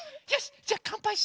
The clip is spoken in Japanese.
じゃあかんぱいしよう。